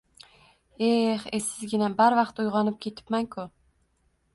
— Eh, esizgina, barvaqt uyg‘onib ketibman-ku...